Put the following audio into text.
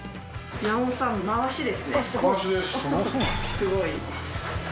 すごい。